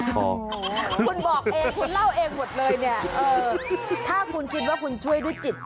คุณบอกเองคุณเล่าเองหมดเลยเนี่ยเออถ้าคุณคิดว่าคุณช่วยด้วยจิต